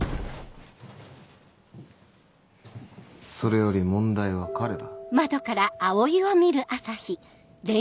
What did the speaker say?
それより問題は彼だ。